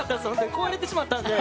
壊れてしまったので。